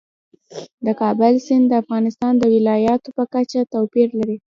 د کابل سیند د افغانستان د ولایاتو په کچه توپیر لري.